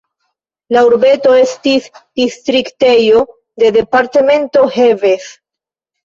La urbeto estis distriktejo de departemento Heves.